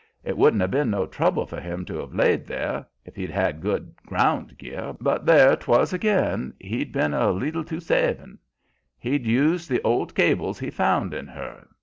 It wouldn't 'a' been no trouble for him to have laid there, if he'd had good ground gear; but there 'twas ag'in, he'd been a leetle too savin'. He'd used the old cables he found in her.